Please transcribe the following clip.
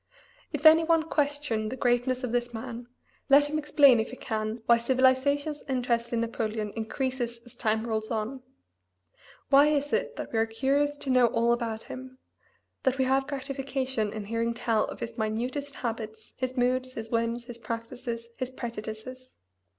If any one question the greatness of this man let him explain if he can why civilization's interest in Napoleon increases as time rolls on. Why is it that we are curious to know all about him that we have gratification in hearing tell of his minutest habits, his moods, his whims, his practices, his prejudices?